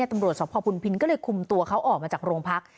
ตำรวจสพพุนพินก็เลยคุมตัวเขาออกมาจากโรงพัก